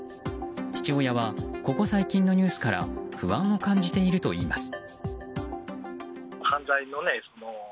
父親は、ここ最近のニュースから不安を感じているといいます。